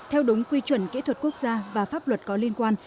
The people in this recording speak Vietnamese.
theo đúng quy chuẩn kỹ thuật quốc gia và pháp luật có liên quan